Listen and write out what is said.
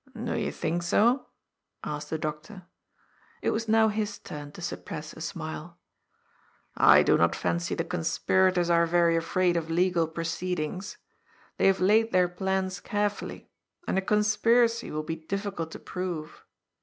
" Do you think so ?" asked the Doctor, It was now his turn to suppress a smile. " I do not fancy the conspirators are very afraid of legal proceedings. They have laid their plans carefully, and a conspiracy will be difficult to prove.